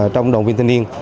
trong đoàn viên thanh niên